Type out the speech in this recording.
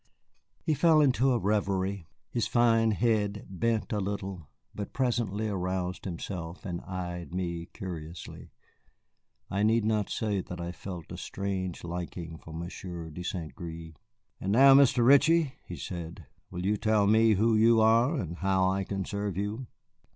He fell into a revery, his fine head bent a little, but presently aroused himself and eyed me curiously. I need not say that I felt a strange liking for Monsieur de St. Gré. "And now, Mr. Ritchie," he said, "will you tell me who you are, and how I can serve you?"